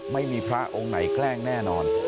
ไม่มีพระองค์ไหนแกล้งแน่นอน